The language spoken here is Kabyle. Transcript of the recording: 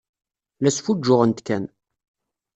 La sfuǧǧuɣent kan.